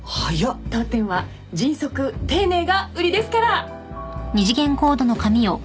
当店は迅速丁寧が売りですから。